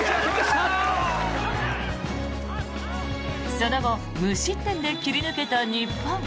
その後無失点で切り抜けた日本。